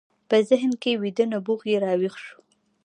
په ذهن کې ویده نبوغ یې راویښ شو